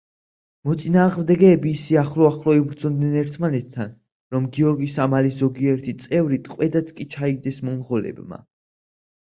მოწინააღმდეგეები ისე ახლო-ახლო იბრძოდნენ ერთმანეთთან, რომ გიორგის ამალის ზოგიერთი წევრი ტყვედაც კი ჩაიგდეს მონღოლებმა.